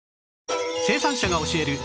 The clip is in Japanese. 生産者が教える